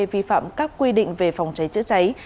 vi phạm các quy định về phòng cháy chữa cháy